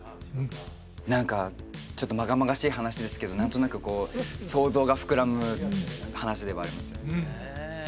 何かちょっとまがまがしい話ですけど何となくこう想像が膨らむ話ではありますよね